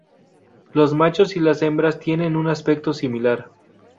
Los machos y las hembras tienen un aspecto similar.